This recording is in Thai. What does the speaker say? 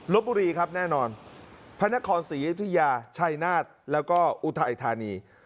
บุรีครับแน่นอนพระนครศรีอยุธยาชัยนาฏแล้วก็อุทัยธานี